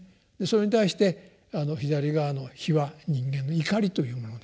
それに対してあの左側の火は人間の瞋りというものであると。